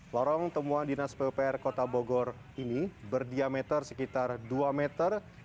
lorong temuan dinas pupr kota bogor ini berdiameter sekitar dua meter